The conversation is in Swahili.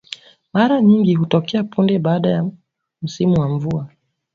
Mara nyingi hutokea punde baada ya msimu wa mvua